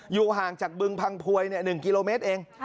อยู่ห่างจากบึงพังพวย๑กิโลเมตรเอง